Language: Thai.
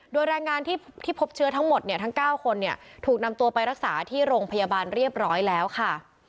โดยแรงงานที่พบเชื้อทั้งหมดเนี่ยทั้ง๙คนเนี่ยถูกนำตัวไปรักษาที่โรงพยาบาลเรียบร้อยแล้วค่ะ